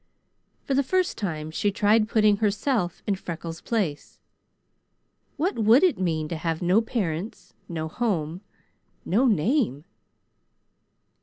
For the first time she tried putting herself in Freckles' place. What would it mean to have no parents, no home, no name?